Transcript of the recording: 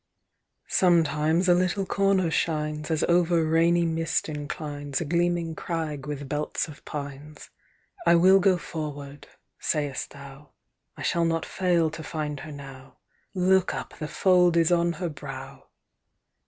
"Sometimes a little corner shines, As over rainy mist inclines A gleaming crag with belts of pines. "I will go forward, sayest thou, I shall not fail to find her now. Look up, the fold is on her brow.